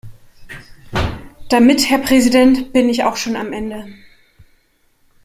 Damit, Herr Präsident, bin ich auch schon am Ende.